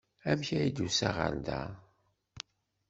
Amek ay d-tusa ɣer da?